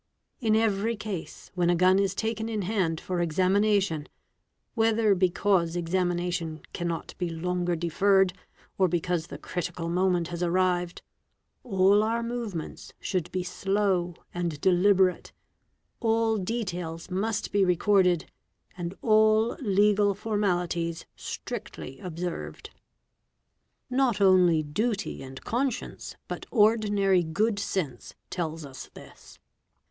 In every case when a gun is taken in hand for exami ae tion, whether because examination cannot be longer deferred or because the critical moment has arrived, all our movements should be slow and deliberate, all details must be recorded and all legal formalities strictly observed. Not only duty and conscience but ordinary good sense tell } MUZZLE LOADERS 429 this.